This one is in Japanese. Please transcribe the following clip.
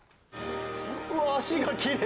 うわ足がきれい！